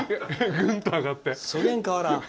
そげん変わらん。